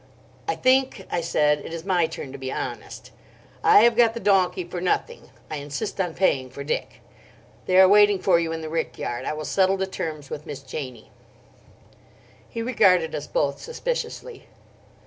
"I think," I said, "it is my turn to be honest. I have got the donkey for nothing; I insist on paying for Dick. They are waiting for you in the rick yard. I will settle the terms with Miss Janie." He regarded us both suspiciously.